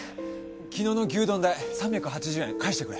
昨日の牛丼代３８０円返してくれ。